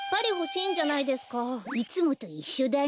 いつもといっしょだね。